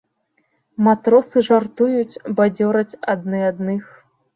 Матросы жартуюць, бадзёраць адны адных.